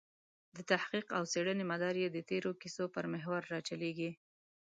د تحقیق او څېړنې مدار یې د تېرو کیسو پر محور راچورلېږي.